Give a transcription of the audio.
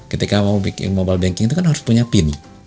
ketika mau bikin mobile banking itu kan harus punya pin